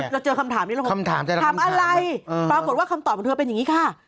เราเจอคำถามนี้ถามอะไรปรากฏว่าคำตอบของเธอเป็นอย่างนี้ค่ะ